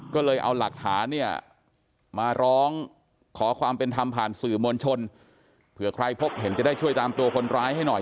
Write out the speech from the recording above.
ก็เลยเอาหลักฐานเนี่ยมาร้องขอความเป็นธรรมผ่านสื่อมวลชนเผื่อใครพบเห็นจะได้ช่วยตามตัวคนร้ายให้หน่อย